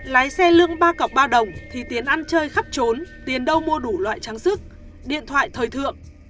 lái xe lương ba cọc ba đồng thì tiến ăn chơi khắp trốn tiền đâu mua đủ loại trang sức điện thoại thời thượng